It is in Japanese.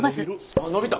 あっ伸びた。